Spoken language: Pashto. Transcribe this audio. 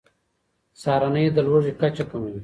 سهارنۍ د لوږې کچه کموي.